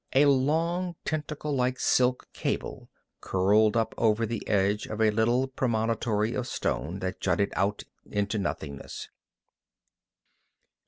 A long, tentacle like silk cable curled up over the edge of a little promontory of stone that jutted out into nothingness.